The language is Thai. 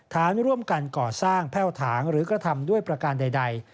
ฐานร่วมกันก่อสร้างแพ่วถางหรือกระทำด้วยประการใด